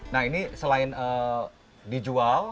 nah ini selain dijual